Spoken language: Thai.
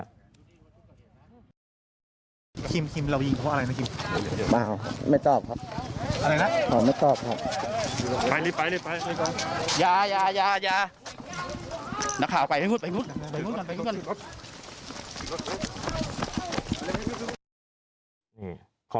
ครีมเรายิงเพราะอะไรนะคิมไม่ตอบครับอะไรนะขอไม่ตอบครับ